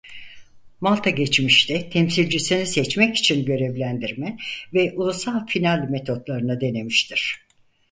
Malta geçmişte temsilcisini seçmek için Görevlendirme ve Ulusal Final methodlarını denemiştir.